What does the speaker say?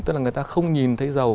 tức là người ta không nhìn thấy dầu